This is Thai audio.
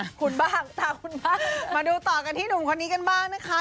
ขอบคุณบ้างจ้ะคุณบ้างมาดูต่อกันที่หนุ่มคนนี้กันบ้างนะคะ